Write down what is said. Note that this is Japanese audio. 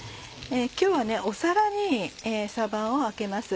今日は皿にさばをあけます。